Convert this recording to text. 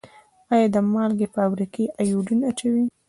آیا د مالګې فابریکې ایوډین اچوي؟